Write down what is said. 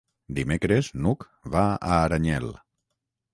Dimecres n'Hug va a Aranyel.